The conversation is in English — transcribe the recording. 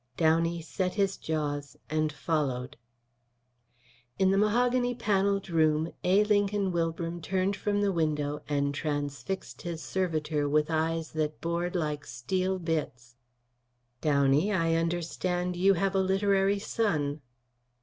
Downey set his jaws and followed. In the mahogany panelled room A. Lincoln Wilbram turned from the window and transfixed his servitor with eyes that bored like steel bits. "Downey, I understand you have a literary son."